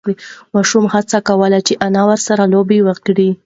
ماشوم هڅه کوله چې انا ورسره لوبه وکړي.